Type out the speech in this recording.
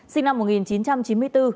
sinh năm một nghìn chín trăm chín mươi hai